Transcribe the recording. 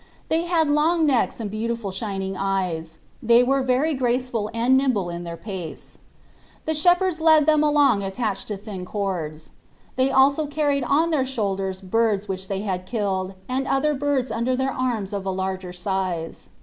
They had long necks and beautiful shining eyes ; they were very graceful and nimble in their pace. The shepherds led them along attached to thin cords : they also carried on their shoulders birds which they had killed, and other birds under their arms of a larger size.